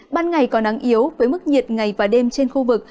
ban ngày có nắng yếu với mức nhiệt ngày và đêm trên khu vực